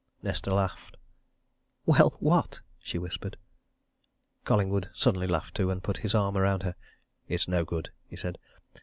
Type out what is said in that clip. Nesta laughed. "Well what?" she whispered. Collingwood suddenly laughed too and put his arm round her. "It's no good!" he said.